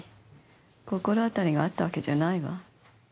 別に心当たりがあったわけじゃないわ。